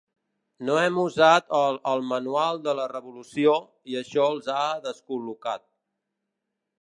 No hem usat el el “manual de la revolució” i això els ha descol·locat.